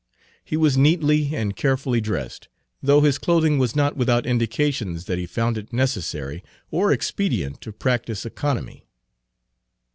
He was neatly and carefully dressed, though his clothing was not without indications that he found it necessary or expedient to practice economy.